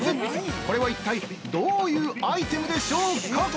これは一体どういうアイテムでしょうか？